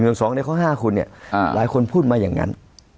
แล้วก็ในข้อ๕เนี่ยหลายคนพูดมาอย่างนั้น